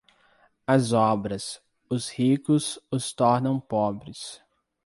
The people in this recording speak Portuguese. As obras, os ricos os tornam pobres.